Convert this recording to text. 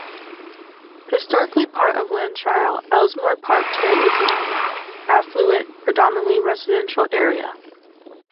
Historically part of Lancashire, Ellesmere Park today is an affluent, predominantly residential area.